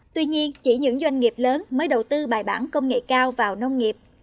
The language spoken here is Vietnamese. tuy nhiên chỉ những doanh nghiệp lớn mới đầu tư bài bản công nghệ cao vào nông nghiệp